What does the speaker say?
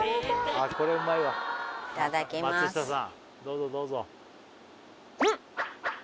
いただきますうん！